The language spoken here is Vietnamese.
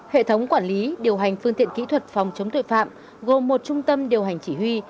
hệ thống quản lý điều hành phương tiện kỹ thuật phòng chống tội phạm gồm một trung tâm điều hành chỉ huy